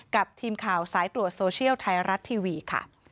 กับทีมข่าวสายตรวจโซเชียลไทยรัฐทีวีค่ะ